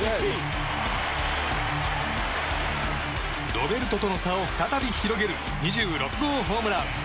ロベルトとの差を再び広げる２６号ホームラン。